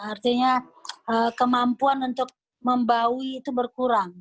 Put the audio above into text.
artinya kemampuan untuk membawi itu berkurang